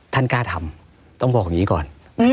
ท่านกล้าทำต้องบอกอย่างนี้ก่อน